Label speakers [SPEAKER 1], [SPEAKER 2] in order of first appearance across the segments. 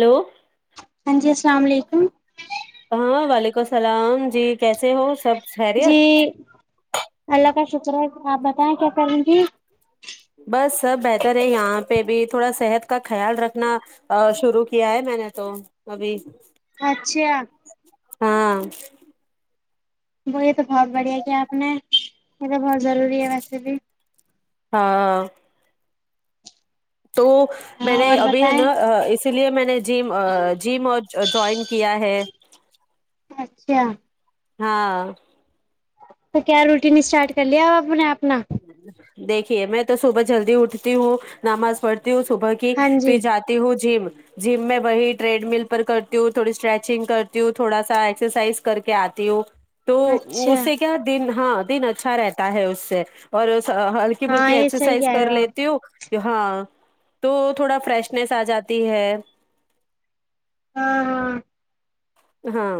[SPEAKER 1] hello
[SPEAKER 2] ہاں جی السلام علیکم
[SPEAKER 1] ہاں وعلیکم السلام جی کیسے ہو سب
[SPEAKER 2] جی
[SPEAKER 1] خیریت
[SPEAKER 2] اللہ کا شکر [inaudible] آپ بتائیں کیا کریں گی
[SPEAKER 1] بس سب بہتر ہے یہاں پہ بھی تھوڑا صحت کا خیال رکھنا شرو کیا ہے میں نے تو ابھی
[SPEAKER 2] اچھا
[SPEAKER 1] ہاں
[SPEAKER 2] وہی تو بہت بڑھیا کیا آپ نے [unintelligible] ویسے بھی
[SPEAKER 1] ہاں تو
[SPEAKER 2] ہاں
[SPEAKER 1] میں نے
[SPEAKER 2] اور
[SPEAKER 1] ابھی
[SPEAKER 2] بتائیں
[SPEAKER 1] ہینا اسی لیے میں نے جم جیم اور جوائن کیا ہے
[SPEAKER 2] اچھا
[SPEAKER 1] ہاں
[SPEAKER 2] تو کیا روٹین اسٹارٹ کر لیا اب اپ نے آپ
[SPEAKER 1] [unintelligible] دیکھیے میں تو صبح جلدی اٹھتی ہوں نماز پڑھتی ہو صبح کے
[SPEAKER 2] ہاں جی
[SPEAKER 1] پھر جاتے ہو جیم جم میں وبی ٹریڈ مل پر کرتی ہوں تھوڑی اسٹریچنگ کرتی ہوں تھوڑا سا ایکسرسائز کر کے آتی ہوں تو
[SPEAKER 2] اچھا
[SPEAKER 1] اس سے کیا دن ہاں دن اچھا رہتا ہے اس سے [unintelligible] ہلکی
[SPEAKER 2] ہاں
[SPEAKER 1] پھلکی
[SPEAKER 2] یہ
[SPEAKER 1] ایکزر
[SPEAKER 2] صحیح
[SPEAKER 1] سائز
[SPEAKER 2] کہہ رہے
[SPEAKER 1] کر
[SPEAKER 2] ہو آپ
[SPEAKER 1] لیتی ہوں ہاں تو تھوڑا فریشنیس آ جاتی ہے
[SPEAKER 2] ہاں ہاں
[SPEAKER 1] ہاں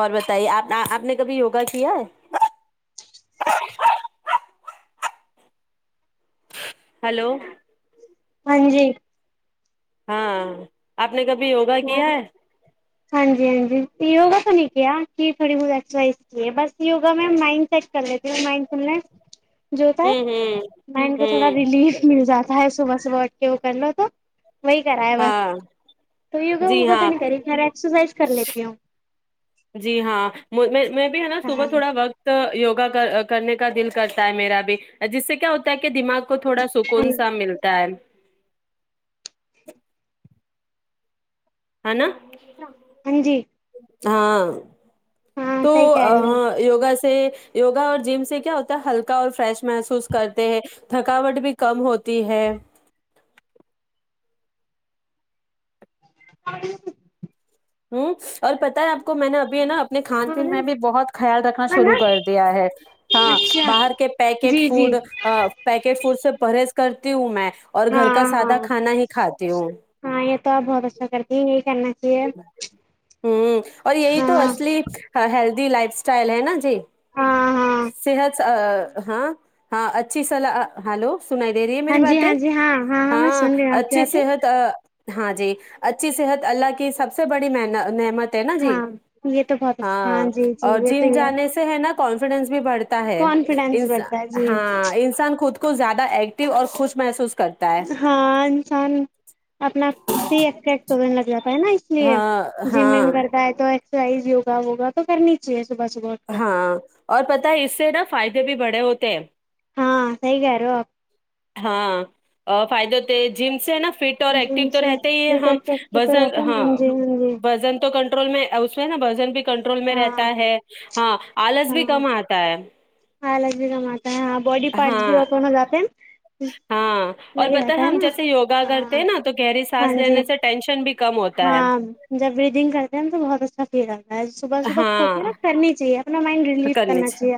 [SPEAKER 1] اور بتائیے آپ آپ نے کبھی یوگا کیا ہے ہلو
[SPEAKER 2] ہاں جی
[SPEAKER 1] ہاں آپ آپ نے کبھی یوگا
[SPEAKER 2] ہاں
[SPEAKER 1] کیا ہے
[SPEAKER 2] ہاں جی ہاں جی یوگا تو نہیں کیا کہ تھوڑی بہت کی بس یوگا میں ماینڈ سیٹ کر لیتی ہو جو ہوتا ہے
[SPEAKER 1] ہوں ہوں
[SPEAKER 2] مائنڈ کو تھوڑا
[SPEAKER 1] ہوں
[SPEAKER 2] ریلیف مل جاتا ہے صبح صبح اٹھ کے وہ کر لو تو وہی کرا ہے بس
[SPEAKER 1] ہاں
[SPEAKER 2] تو یوگا
[SPEAKER 1] جی
[SPEAKER 2] ووگا تو
[SPEAKER 1] ہاں
[SPEAKER 2] نہیں کری خرے ایکسرسائز کر لیتی ہوں
[SPEAKER 1] جی ہاں میں بھی ہے نا
[SPEAKER 2] ہاں
[SPEAKER 1] صبح تھوڑا وقت یوگ کرنے کا دل کرتا ہے میرا بھی جس سے کیا ہوتا ہے کہ دماغ کو تھوڑا سکون سا ملتا ہے [unintelligible] [unintelligible] ہے نا
[SPEAKER 2] ہاں جی
[SPEAKER 1] ہاں
[SPEAKER 2] ہاں
[SPEAKER 1] تو
[SPEAKER 2] صحیح کہہ رہی ہو
[SPEAKER 1] ہاں یوگا سے یوگا اور جم سے کیا ہوتا ہے ہلکا اور فریش محسوس کرتے ہیں تھکاوٹ بھی کم ہوتی ہے
[SPEAKER 2] ہاں
[SPEAKER 1] ہوں اور پت ہے آپ کو میں نے ابھی ہے نا اپنے کھان
[SPEAKER 2] ہاں
[SPEAKER 1] پین
[SPEAKER 2] نا
[SPEAKER 1] میں بھی بہت خیال رکھنا
[SPEAKER 2] ہاں نا
[SPEAKER 1] شروع کر دیا ہے ہاں
[SPEAKER 2] اچھا
[SPEAKER 1] باہر کے پیکٹ
[SPEAKER 2] جی جی
[SPEAKER 1] فوڈ پیکٹ فوڈ سے پرہیز کرتی ہوں میں اور گھر
[SPEAKER 2] ہاں
[SPEAKER 1] کا سادہ
[SPEAKER 2] ہاں
[SPEAKER 1] کھانا ہی کھاتی ہوں
[SPEAKER 2] ہاں یہ تو آپ بہت اچھا کرتی ہیں یہی کرنا چاہیے
[SPEAKER 1] ہ اور یہی
[SPEAKER 2] ہاں
[SPEAKER 1] تو اصلی ہے لی لائف سٹائل ہے نا جی
[SPEAKER 2] ہاں ہاں
[SPEAKER 1] صحت ہاں ہاں اچھی صلاح ہلو سنائی دے رہی ہے
[SPEAKER 2] ہاں
[SPEAKER 1] میری
[SPEAKER 2] جی
[SPEAKER 1] باتیں
[SPEAKER 2] ہاں جی ہاں میں
[SPEAKER 1] ہاں
[SPEAKER 2] سن رہی ہوں آپ کی
[SPEAKER 1] اچھی
[SPEAKER 2] باتیں
[SPEAKER 1] صحت ہاں جی اچھی صحت اللہ کی سب سے بڑی نعمت ہے نا جی
[SPEAKER 2] ہاں یہ تو بہت اچھا
[SPEAKER 1] ہاں
[SPEAKER 2] جی جی
[SPEAKER 1] اور
[SPEAKER 2] یہ تو
[SPEAKER 1] جم
[SPEAKER 2] یہ
[SPEAKER 1] جانے سے ہے نا کانفیڈنس بھی بڑھتی ہے
[SPEAKER 2] کانفیڈینس بڑھتا
[SPEAKER 1] انسان
[SPEAKER 2] ہے جی
[SPEAKER 1] ہاں انسان خود کو کو زیادہ ایکٹو اور خوش محسوس کر
[SPEAKER 2] ہاں انسان اپنا س تو لگ جاتا ہے نا اس لیے
[SPEAKER 1] ہاں
[SPEAKER 2] جم وم
[SPEAKER 1] ہاں
[SPEAKER 2] کرتا ہے تو رائز یوا ووگا تو کرنی چاہیے صبح صبح اٹھ کر
[SPEAKER 1] ہاں اور پتا ہے اس سے نا فائدے بھی بڑھ بڑے ہوتے
[SPEAKER 2] ہاں صحیح کہہ رہے ہو آپ
[SPEAKER 1] ہاں فائدہ تو جم سے نا فٹ اور ایکٹو تو رہتے ہی ہم
[SPEAKER 2] رہتا ہے
[SPEAKER 1] وز
[SPEAKER 2] ہاں جی ہاں جی
[SPEAKER 1] ہاںزن تو کن میں اس میں نا بجن بھیک کنٹرول میں رہتا
[SPEAKER 2] ہاں
[SPEAKER 1] ہے ہاں آلس بھی کم آتا ہے
[SPEAKER 2] ہاں ل بھی کم آتا ہے ہاں باڈی پارٹس بھی
[SPEAKER 1] ہاں
[SPEAKER 2] وپر ہو جاتے ہیں
[SPEAKER 1] ہاں اور
[SPEAKER 2] وہی
[SPEAKER 1] بت
[SPEAKER 2] رہتا ہے
[SPEAKER 1] ہم
[SPEAKER 2] نا
[SPEAKER 1] جیسے یوگا کرتے
[SPEAKER 2] ہاں
[SPEAKER 1] ہیں نا تو گہری سانس
[SPEAKER 2] ہاں
[SPEAKER 1] لینے
[SPEAKER 2] جی
[SPEAKER 1] سے ٹینشن بھی کم ہوتا ہے
[SPEAKER 2] ہاں جب بریدنگ کرتے ہیں نا تو بہت اچھا جا ب صبح صبح کھوک
[SPEAKER 1] ہاں
[SPEAKER 2] نا کرنی چاہیے اپنا مائنڈ ریلیف کرنا چاہیے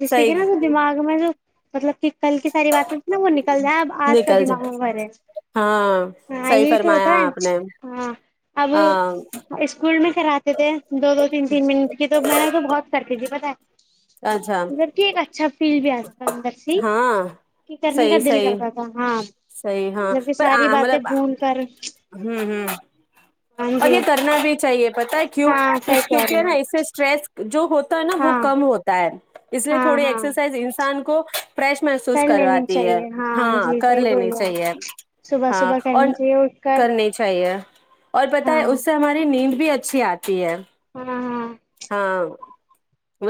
[SPEAKER 2] جس سے کہ
[SPEAKER 1] صحیح
[SPEAKER 2] نا دماغ میں جو مطلب کہ کل کی ساری باتیں تھی نا وہ نکل جائے اب آج کا
[SPEAKER 1] نکل جائے
[SPEAKER 2] دماغوں بھر ہے
[SPEAKER 1] ہاں
[SPEAKER 2] ہاں
[SPEAKER 1] صحیح
[SPEAKER 2] یہی تو
[SPEAKER 1] فرمایا
[SPEAKER 2] ہوتا
[SPEAKER 1] آپ نے
[SPEAKER 2] ہے ہاں اسکول کہراتے تھے دو دو تین تین منٹ کے تو میں نے تو بہت کر کے ت بت
[SPEAKER 1] اچھا
[SPEAKER 2] ٹھیک اچھا پ بھی آتا تھا اندر سے
[SPEAKER 1] ہاں
[SPEAKER 2] کہ کرنے کا دل کرتا تھا ہاں
[SPEAKER 1] سی ہاں
[SPEAKER 2] مطلب کہ
[SPEAKER 1] پر
[SPEAKER 2] ساری
[SPEAKER 1] ہمل
[SPEAKER 2] باتیں بھول کر
[SPEAKER 1] ہوں ہ ہاں
[SPEAKER 2] ہاں
[SPEAKER 1] اب
[SPEAKER 2] جی
[SPEAKER 1] یہ ترنا بھی چاہیے پت ہے کی
[SPEAKER 2] ہاں صحیح کہہ رہے
[SPEAKER 1] کیونکہ نا
[SPEAKER 2] ہو
[SPEAKER 1] اس سے اسٹریس جو ہوتا تو ہے نا وہ
[SPEAKER 2] ہاں
[SPEAKER 1] کم ہوتا ہے اس لیے
[SPEAKER 2] ہاں
[SPEAKER 1] تھوڑی
[SPEAKER 2] ہاں
[SPEAKER 1] ایککرسائز انسان کو فریش محسوس
[SPEAKER 2] کر لینی
[SPEAKER 1] کرواتی ہے
[SPEAKER 2] چاہیے
[SPEAKER 1] ہاں
[SPEAKER 2] جی
[SPEAKER 1] کر
[SPEAKER 2] صحیح
[SPEAKER 1] لینی
[SPEAKER 2] بولے آپ
[SPEAKER 1] چاہیے
[SPEAKER 2] صبح
[SPEAKER 1] ہاں
[SPEAKER 2] صبح
[SPEAKER 1] اور
[SPEAKER 2] کرنی چاہیے اٹھ کر
[SPEAKER 1] کرنی چاہیے پت
[SPEAKER 2] ہاں
[SPEAKER 1] ہے اس سے ہماری نہیں نیند بھی اچھی آتی ہے
[SPEAKER 2] ہاں ہاں
[SPEAKER 1] ہاں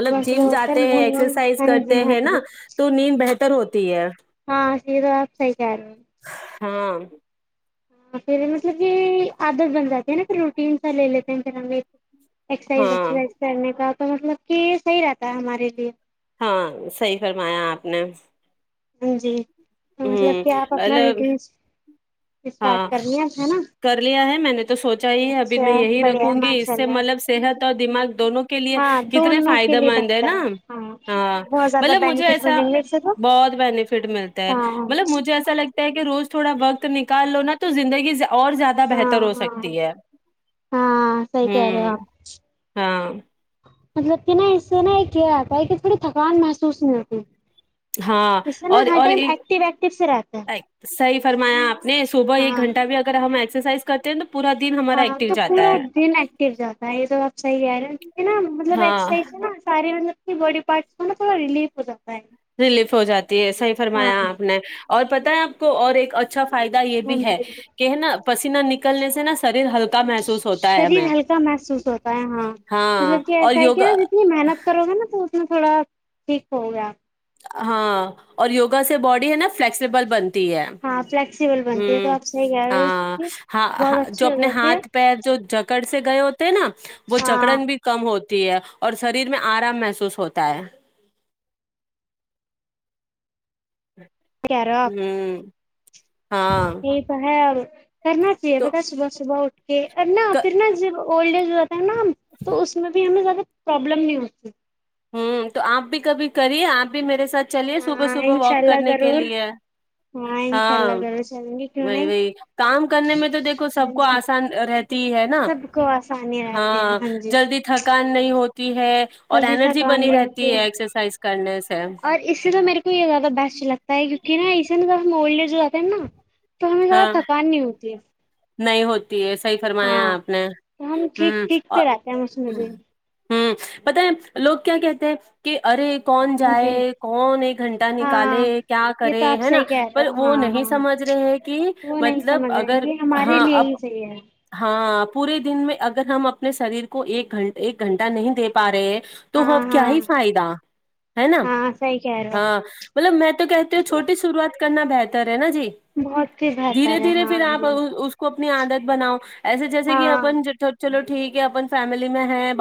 [SPEAKER 2] صبح
[SPEAKER 1] جم
[SPEAKER 2] صبح اٹھ کر
[SPEAKER 1] جاتے ہیں
[SPEAKER 2] منہ
[SPEAKER 1] ایکسرسائز
[SPEAKER 2] ہاں جی
[SPEAKER 1] کرتے
[SPEAKER 2] ہاں
[SPEAKER 1] ہیں
[SPEAKER 2] جی
[SPEAKER 1] نا تو نیند بہتر ر ہوتی ہے
[SPEAKER 2] ہاں سیرا آپ سر [unintelligible]
[SPEAKER 1] ہاں
[SPEAKER 2] ہاں پھر مطلب کہ آدھ دس بن جاتی ہیں نا پھر روٹین سا لے لیتے ہیں اکسرسائز
[SPEAKER 1] ہاں
[SPEAKER 2] وکسرسائز کرنے کا تو مطلب کہ یہ صحی رہتا ہے ہمارے لیے
[SPEAKER 1] ہاں صحی فرمایا آپ نے
[SPEAKER 2] ہ جی تو مطلب
[SPEAKER 1] ہ
[SPEAKER 2] کہ آپ
[SPEAKER 1] ال
[SPEAKER 2] اپنا روٹین اسٹارٹ
[SPEAKER 1] ہاں
[SPEAKER 2] کر لیا ہے نا
[SPEAKER 1] کر لیا ہے میں نے تو سوچا ہی ہے ابھی
[SPEAKER 2] اچھا
[SPEAKER 1] میں یہی
[SPEAKER 2] بڑھیا
[SPEAKER 1] رکھوں
[SPEAKER 2] ہے
[SPEAKER 1] گی
[SPEAKER 2] ماشاء
[SPEAKER 1] اس سے
[SPEAKER 2] اللہ
[SPEAKER 1] مطلب صحت تو دماغ دونوں کے لیے
[SPEAKER 2] ہاں
[SPEAKER 1] کتنے
[SPEAKER 2] دونوں کے
[SPEAKER 1] فائدہ
[SPEAKER 2] لیے
[SPEAKER 1] مند ہے
[SPEAKER 2] بہتر
[SPEAKER 1] نا ہاں
[SPEAKER 2] بہت زیادہ
[SPEAKER 1] مطلب مجھے
[SPEAKER 2] بینیفٹ
[SPEAKER 1] ایسا
[SPEAKER 2] ملیں گے اس سے تو
[SPEAKER 1] بہت بینیفٹ ملتا ہے
[SPEAKER 2] ہاں
[SPEAKER 1] مطلب مجھے ایسا لگتا ہے کہ روز تھوڑا وقت نک تو زندگی اور زیادہ
[SPEAKER 2] ہاں
[SPEAKER 1] بہتر ہو
[SPEAKER 2] ہاں
[SPEAKER 1] سکتی ہے
[SPEAKER 2] ہاں صحیح کہہ رہے
[SPEAKER 1] ہوں
[SPEAKER 2] ہو آپ
[SPEAKER 1] ہاں
[SPEAKER 2] مطلب کہ نا اس سے نا یہ کیا آتا ہے کہ تھوڑی تھکان محسوس نہیں ہوتی
[SPEAKER 1] ہاں
[SPEAKER 2] اس سے نا
[SPEAKER 1] اور
[SPEAKER 2] ہر
[SPEAKER 1] اور
[SPEAKER 2] ٹائم
[SPEAKER 1] ایک
[SPEAKER 2] ایکٹیو ایکٹیو سے رہتا ہے
[SPEAKER 1] صحیح فرمایا آپ نے صبح ایک
[SPEAKER 2] ہاں
[SPEAKER 1] گھنٹہ بھی اگر ہم ای ایکرائز کرتے ہیں تو پورا دن ہمارا
[SPEAKER 2] ہاں
[SPEAKER 1] ایکٹو
[SPEAKER 2] تو
[SPEAKER 1] جاتا
[SPEAKER 2] پورا
[SPEAKER 1] ہے
[SPEAKER 2] دن ایکٹو جاتا ہے یہ تو آپ صحیح ہےا نا مطلب
[SPEAKER 1] ہاں
[SPEAKER 2] ایکرائز ہے نا سارے مطلب بڈی پارٹس ک تھوا ریلیف ہوا
[SPEAKER 1] ریلیف ہو جاتی ہے صحیح فرمایا آپ نے اور پتہ ہے آپ کو اور ایک اچھا فائدہ یہ
[SPEAKER 2] ہاں
[SPEAKER 1] بھی ہے
[SPEAKER 2] جی
[SPEAKER 1] کہ ہے نا پسی نہ نکلنے سے نہا شریر ہلک
[SPEAKER 2] شریر ہلکا محسوس ہوتا ہے ہاں
[SPEAKER 1] ہاں
[SPEAKER 2] مطلب کہ
[SPEAKER 1] اور
[SPEAKER 2] ایسا ہے کہ
[SPEAKER 1] یوگا
[SPEAKER 2] ن جتنی محنت کرو گا نا تو اتنا تھوڑا ٹھیک ہو گیا
[SPEAKER 1] ہاں اور یوگا سے باڈی ہے نا فلیکسیبل بنتی ہے
[SPEAKER 2] ہاں فلیکسیبل بنتی ہے تو آپ صحیح کہہ رہے ہو
[SPEAKER 1] ہ
[SPEAKER 2] کہ
[SPEAKER 1] ہ
[SPEAKER 2] بہت
[SPEAKER 1] جو
[SPEAKER 2] اچھی ہو
[SPEAKER 1] اپنے
[SPEAKER 2] جاتی ہے
[SPEAKER 1] ہاتھ پہ جو جگ کر سے گئے ہو نا وہ
[SPEAKER 2] ہاں
[SPEAKER 1] جکڑن بھی کم ہوتا ہے اور شریر میں آرام محسوس ہوتا ہے ہم
[SPEAKER 2] یہ تو ہے آ کرنا چاہے
[SPEAKER 1] تو
[SPEAKER 2] بتا صبح صبح اٹھ
[SPEAKER 1] ک
[SPEAKER 2] پھر ج اولڈ ایج ہو جتا ہے نا تو اس میں بھی ہمیں زیادہ پرابلم نہیں ہوتی
[SPEAKER 1] ہوں تو آپ بھی کبھی کریے آپ بھی میرے ساتھ چلیے صبح
[SPEAKER 2] ہاں
[SPEAKER 1] صبح
[SPEAKER 2] انشاء
[SPEAKER 1] واک
[SPEAKER 2] اللہ
[SPEAKER 1] کرنے کے
[SPEAKER 2] ضرور
[SPEAKER 1] لیے
[SPEAKER 2] انشاء
[SPEAKER 1] ہاں
[SPEAKER 2] اللہ ضرور چلیں گے کیوں
[SPEAKER 1] وہی
[SPEAKER 2] نہیں
[SPEAKER 1] وہی کام کرنے میں تو دیکھو سب
[SPEAKER 2] ہاں
[SPEAKER 1] کو
[SPEAKER 2] جی
[SPEAKER 1] آسان رہتی ہی ہے نا
[SPEAKER 2] سب کو آسانی رہتی ہے
[SPEAKER 1] ہاں
[SPEAKER 2] جی
[SPEAKER 1] جلدی تھکان نہیں ہوتی ہے اور
[SPEAKER 2] جلدی
[SPEAKER 1] اینرجی
[SPEAKER 2] اور اس میں میرے کو یہ زیادہ بس لگتا ہے کیونکہ نہا اسن تو مول جوتے ہیں نا تو ہمیں زیادہ
[SPEAKER 1] ہاں
[SPEAKER 2] تھکان نہیں ہوتی ہے
[SPEAKER 1] نہیں ہو یہ صحی فرمایا
[SPEAKER 2] ہاں
[SPEAKER 1] آپ نے
[SPEAKER 2] تو ہم ٹھیک
[SPEAKER 1] ہ
[SPEAKER 2] ٹھیک
[SPEAKER 1] اور
[SPEAKER 2] سے رہتے ہیں اس میں
[SPEAKER 1] ہ
[SPEAKER 2] بھی
[SPEAKER 1] ہ پت ہے لوگ کیا کہتے ہیں کہ ارے کون
[SPEAKER 2] ہاں جی
[SPEAKER 1] جائے کون ایک گھنٹہ نکالے
[SPEAKER 2] ہاں
[SPEAKER 1] کیا
[SPEAKER 2] یہ
[SPEAKER 1] کرے
[SPEAKER 2] تو آپ
[SPEAKER 1] ہے نا
[SPEAKER 2] صحیح کہہ رہے
[SPEAKER 1] پر
[SPEAKER 2] ہو
[SPEAKER 1] وہ
[SPEAKER 2] ہاں
[SPEAKER 1] نہیں
[SPEAKER 2] ہاں
[SPEAKER 1] سمجھ رہے ہیں کہ مطلب اگر
[SPEAKER 2] میرے
[SPEAKER 1] ہاں
[SPEAKER 2] لیے
[SPEAKER 1] اب
[SPEAKER 2] ہی صحیحے
[SPEAKER 1] ہاں پورے دن میں اگر ہم اپنے شریر کو ایک گھنٹ ایک گھنٹہ نہیں دے پا رہے ہیں تو
[SPEAKER 2] ہاں
[SPEAKER 1] اب کیا
[SPEAKER 2] ہاں
[SPEAKER 1] ہی فائدہ ہے نا
[SPEAKER 2] ہاں صحیح کہہ رہے ہو
[SPEAKER 1] ہاں مطلب میں تو کہتی ہوں
[SPEAKER 2] آپ
[SPEAKER 1] چھوٹی شروعات کے کرنا بہتر ہے نا جی
[SPEAKER 2] بہت ہی بہتر
[SPEAKER 1] دھیرے
[SPEAKER 2] ہے
[SPEAKER 1] دھیرے
[SPEAKER 2] ہاں
[SPEAKER 1] پھر
[SPEAKER 2] ہم
[SPEAKER 1] آپ اس کو اپنی عادت بناؤ ایسے جیسے کہ
[SPEAKER 2] ہاں
[SPEAKER 1] اپنوٹ چھوٹ ٹھیک ہے اپن فیملی میں ہے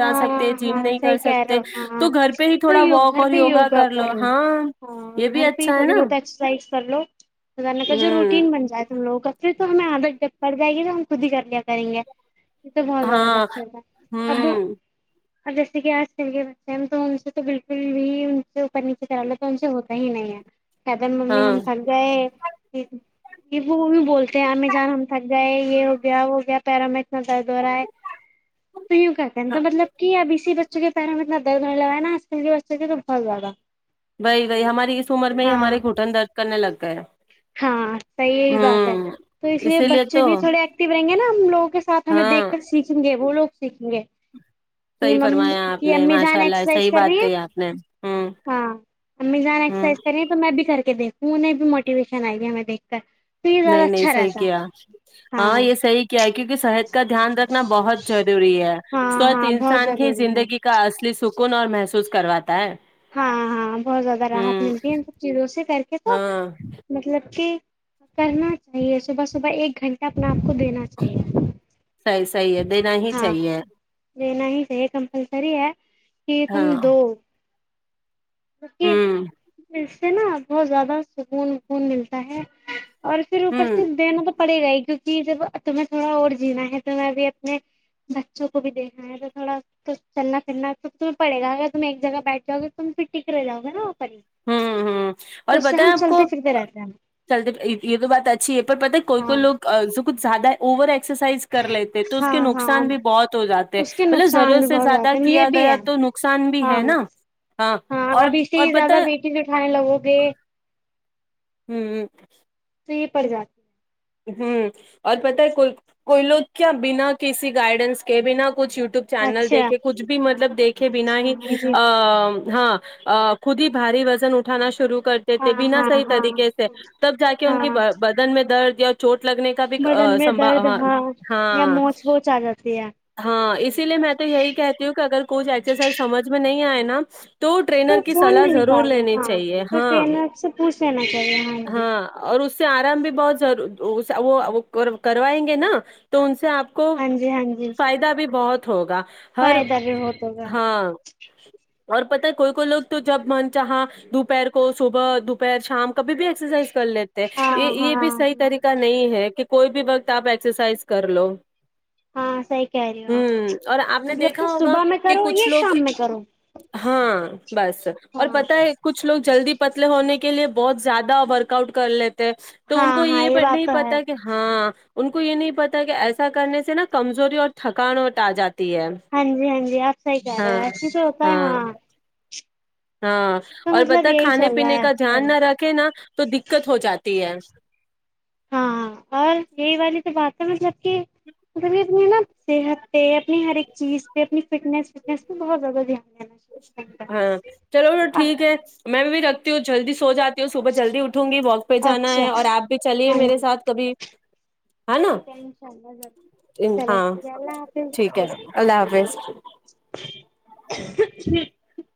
[SPEAKER 2] ہاں ہ ہاں صحیح کہہ رہا ہ ہاں
[SPEAKER 1] تو گھر پہ ہی تھوڑا
[SPEAKER 2] تو
[SPEAKER 1] واک
[SPEAKER 2] گھر
[SPEAKER 1] اور
[SPEAKER 2] پہ یوگا
[SPEAKER 1] کر لو
[SPEAKER 2] کرو
[SPEAKER 1] ہاں
[SPEAKER 2] ہ
[SPEAKER 1] یہ بھی
[SPEAKER 2] گھر پہ ہی
[SPEAKER 1] اچھا ہے
[SPEAKER 2] تھوڑی
[SPEAKER 1] نا
[SPEAKER 2] بہت ایکسرسائز کر لو اان کا جو
[SPEAKER 1] ہوں
[SPEAKER 2] روٹین بن جائے تم لوگوں کا پھر تو ہمیں عدت جب پڑ جائے گی تو ہم خود ہی کر لیا کریں گے تو بہت زیادہ
[SPEAKER 1] ہاں
[SPEAKER 2] بہتر تھا
[SPEAKER 1] ہوں
[SPEAKER 2] اور اب جیسے کہ آج کل کے بچے ہیں تو ان سے تو بالکل بھی ان سے اوپر نیچے چال ل تو ان سے ہوتا ہی نہیں ہے کہتے ہیں ممی
[SPEAKER 1] ہاں
[SPEAKER 2] ہم تھک گئے یہ وہ بھی بولتے ہیں ہمیں جان ہم تھک گئے یہ ہو گیا وہ ہو گیا پیرامیڈ درد ہو رہا ہے تو یوں کرتے ن تو مطلب کہ اب اسی بچ چہ پہے میں ات دنے لگائے نا تو بہت زیادہ
[SPEAKER 1] بی وہی ہماری اس عمر میں ہی
[SPEAKER 2] ہاں
[SPEAKER 1] ہمارے گھٹن درج کرنے لگتا کہ
[SPEAKER 2] ہاں صحیح یہی بات ہے تو اس لیے
[SPEAKER 1] اسی
[SPEAKER 2] بچے
[SPEAKER 1] تو
[SPEAKER 2] بھی تھوڑے ایکٹیو رہیں گے نا ہم لوگوں کے ساتھ ہمیں دیکھ
[SPEAKER 1] ہاں
[SPEAKER 2] کر سیکھیں گے وہ لوگ سیکھیں گے
[SPEAKER 1] صحیح فرمایا آپ
[SPEAKER 2] کہ
[SPEAKER 1] نے
[SPEAKER 2] امی جان
[SPEAKER 1] ماشاء اللہ
[SPEAKER 2] ایکسرسائز
[SPEAKER 1] صحیح
[SPEAKER 2] کر رہی
[SPEAKER 1] بات
[SPEAKER 2] ہیں
[SPEAKER 1] کہی آپ نے ہوں
[SPEAKER 2] ہاں امی جان
[SPEAKER 1] ہوں
[SPEAKER 2] ایکسرسائز کر رہی ہیں تو میں بھی کر کے دیکھ وہ نہیں م موٹیویشن آئی ہے ہمیں دیکھ کر تو یہ زیادہ
[SPEAKER 1] نہیں نہیں
[SPEAKER 2] اچھا
[SPEAKER 1] صحیح
[SPEAKER 2] رہتا
[SPEAKER 1] کیا
[SPEAKER 2] ہے
[SPEAKER 1] ہاں یہ صحی کیا کیا کیونکہ سحت کا دھیان رکھنا بہت ضروری ہے
[SPEAKER 2] ہاں
[SPEAKER 1] سوچھ
[SPEAKER 2] ہاں بہت
[SPEAKER 1] انسان کی
[SPEAKER 2] ضروری ہے
[SPEAKER 1] زندگی کا اصلی سکون اور محسوس کرواتا ہے
[SPEAKER 2] ہاں ہاں بہت زیادہ راحت
[SPEAKER 1] ہوں
[SPEAKER 2] ملتی ہے ان سب چیزوں سے کر کے تو
[SPEAKER 1] ہاں
[SPEAKER 2] مطلب کہ کرنا چاہیے صبح صبح ایک گھنٹہ اپنا کو دینا چاہے
[SPEAKER 1] صحیح صحیح ہے دینا ہی
[SPEAKER 2] ہاں
[SPEAKER 1] چاہیے
[SPEAKER 2] دینا ہی چاہے کمپلسری ہے کہ
[SPEAKER 1] ہاں
[SPEAKER 2] تم دو مک
[SPEAKER 1] ہوں
[SPEAKER 2] سے نا بہت زیادہ سکون وکون ملتا ہے اور پھر اوپر
[SPEAKER 1] ہوں
[SPEAKER 2] سے دینا تو پڑے ہی رہا ہی کیونکہ جی جب تمہیں تھوڑا اور جینا ہے تویں ا بھی اپنے بچوں کو بھی دیکھنا ہے تو تھوڑا چلنا پھرنا تو تمہیں پڑے گا اگر تم ایک جگہ بیٹھ جاؤ گے تم پھر ٹک رہے لاگا نا اوپر ہی
[SPEAKER 1] ہوں ہ
[SPEAKER 2] تو
[SPEAKER 1] اور
[SPEAKER 2] اس سے
[SPEAKER 1] بتائیں
[SPEAKER 2] ہم
[SPEAKER 1] آپ کو
[SPEAKER 2] چلتے پھرتے رہتے ہیں
[SPEAKER 1] چلتے یہ تو بات اچھی ہے پر پتا کوئی کوئی
[SPEAKER 2] ہاں
[SPEAKER 1] لوگ کچھیادہ اوور ای ایکسرسائز کر لیتے تو اس
[SPEAKER 2] ہاں
[SPEAKER 1] کے نقصان
[SPEAKER 2] ہاں
[SPEAKER 1] بھی بہت ہو جاتے
[SPEAKER 2] اس کے
[SPEAKER 1] مطلب
[SPEAKER 2] نقصان
[SPEAKER 1] ضرورت
[SPEAKER 2] بھی
[SPEAKER 1] سے
[SPEAKER 2] بہت
[SPEAKER 1] زیادہ
[SPEAKER 2] ہیں یہ
[SPEAKER 1] کیا
[SPEAKER 2] بھی
[SPEAKER 1] گیا
[SPEAKER 2] ہے
[SPEAKER 1] تو نقصان بھی
[SPEAKER 2] ہاں
[SPEAKER 1] ہے نا ہاں اور اور پت
[SPEAKER 2] چیز اٹھانے لگو گے
[SPEAKER 1] ہوں ہ
[SPEAKER 2] تو یہ پڑ جاتی ہے
[SPEAKER 1] ہوں اور پت ہے کوئی کوئی لوگ کیا بنا کسی گائیڈنس کے بنا کچھ یوٹیوب
[SPEAKER 2] ہے
[SPEAKER 1] چینل
[SPEAKER 2] اچھا
[SPEAKER 1] دیکھے کچھ بھی مطلب دیکھے بنا ہی
[SPEAKER 2] اچھا جی
[SPEAKER 1] ا ہاں خود ہی باری وزن اٹھانا شرو کرتے تھے
[SPEAKER 2] ہاں
[SPEAKER 1] بنا
[SPEAKER 2] ہاں
[SPEAKER 1] صحیح
[SPEAKER 2] ہاں
[SPEAKER 1] طریقے سے تب جا کے ان کی
[SPEAKER 2] ہاں
[SPEAKER 1] بدن میں درد یا چوٹ لگنے کا بھی
[SPEAKER 2] بدن میں
[SPEAKER 1] سبا
[SPEAKER 2] درد
[SPEAKER 1] ہ
[SPEAKER 2] ہاں یا
[SPEAKER 1] ہاں
[SPEAKER 2] موچ ووچ آ جاتی ہے
[SPEAKER 1] ہاں اسی لیے میں تو یہی کہتی ہوں کہ اگر کوچھ ایکسرسائز سمجھ میں نہیں آئے نا ن تو ٹرینر کی
[SPEAKER 2] فون
[SPEAKER 1] سلاح
[SPEAKER 2] میں
[SPEAKER 1] ضرور
[SPEAKER 2] نکالو
[SPEAKER 1] لینی
[SPEAKER 2] ہاں
[SPEAKER 1] چاہیے
[SPEAKER 2] تو
[SPEAKER 1] ہاں
[SPEAKER 2] ٹرینر سے پوچھ لینا چاہیے جی
[SPEAKER 1] ہاں اور اس سے آرام بھی بہت ضروری وہ کروائیں گے نا تو ان سے سے آپ کو
[SPEAKER 2] ہاں جی ہاں جی
[SPEAKER 1] فائدہ بھی بہت ہوگا ہر
[SPEAKER 2] فائدہ بھی ہوت ہوگا
[SPEAKER 1] ہاں اور پتہ کوئی کوئی لوگ تو جب من چاہا دوپہر کو صبح دوپہر شام کبھی بھی ایکسرسائز کر لیتے ہیں
[SPEAKER 2] ہاں
[SPEAKER 1] یہ
[SPEAKER 2] ہاں
[SPEAKER 1] یہ بھی صحیح
[SPEAKER 2] ہاں
[SPEAKER 1] طریقہ نہیں ہے کہ کوئی بھی وقت آپ ایکسرسائز کر لو
[SPEAKER 2] ہاں صحیح کہہ رہی ہو آپ
[SPEAKER 1] ہوں اور آپ نے
[SPEAKER 2] مطلب کہ
[SPEAKER 1] دیکھا ہوگا
[SPEAKER 2] صبح میں
[SPEAKER 1] کہ
[SPEAKER 2] کرو یا
[SPEAKER 1] کچھ لوگ
[SPEAKER 2] شام میں کرو
[SPEAKER 1] ہاں بس اور
[SPEAKER 2] ہاں
[SPEAKER 1] پتا ہے کچھ کچ لوگ جلدی پتلے ہونے کے لیے بہت زیادہ ورک آؤٹ کر لیتے تو ان کو
[SPEAKER 2] ہاں ہاں
[SPEAKER 1] یہ
[SPEAKER 2] بات
[SPEAKER 1] نہیں
[SPEAKER 2] تو ہے
[SPEAKER 1] پتا کہ ہاں ان کو یہ نہیں پتا کہ ایسا کرنے سے نا کمزوری اور تھکانوٹ آ جاتا
[SPEAKER 2] ہاں جی ہاں جی آپ صحیح کہہ رہے ہو ایسے تو ہوتا ہے ہاں
[SPEAKER 1] ہاں
[SPEAKER 2] تو
[SPEAKER 1] اور بت
[SPEAKER 2] مطلب یہی
[SPEAKER 1] کھانے
[SPEAKER 2] چل رہا
[SPEAKER 1] پینے
[SPEAKER 2] ہے
[SPEAKER 1] کا
[SPEAKER 2] آج کل
[SPEAKER 1] دھیان نہ رکھے نا تو دقت ہو جاتی ہے [inaudible]
[SPEAKER 2] ہاں اور یہی والی تو بات ہے مطلب کہ مطلب یہ اپنی نا صحت پہ اپنی ہر ایک چیز پہ اپنی فٹنیس وٹنیس پہ بہت زیادہ دھیان دینا چاہیے
[SPEAKER 1] ہاں چلو ٹھیک ہے میں بھی بھی ر ہو جلدی سو جاتی تو صبح جلدی اٹھوں گی واک پہ جانا
[SPEAKER 2] اچھا
[SPEAKER 1] ہے اور آپ بھی چلیے میرے ساتھ کبھی
[SPEAKER 2] ٹیک ہے ان شاء اللہ ر چلو
[SPEAKER 1] ہاں
[SPEAKER 2] ٹھیک ہےلہ آ
[SPEAKER 1] ٹھیک ہے اللہ حافظ
[SPEAKER 2] [unintelligible]